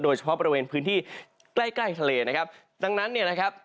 โดยเฉพาะในพื้นที่ใกล้ทะเลนะครับ